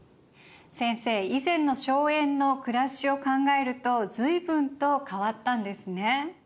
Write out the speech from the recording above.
先生以前の荘園の暮らしを考えると随分と変わったんですね。